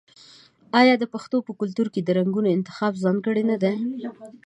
آیا د پښتنو په کلتور کې د رنګونو انتخاب ځانګړی نه دی؟